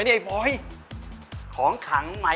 นี่อันนี้